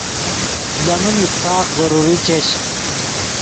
لے من اتفاق ضروری چش